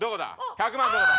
１００万どこだ？